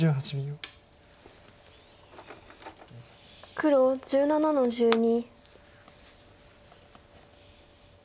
黒１７の十二。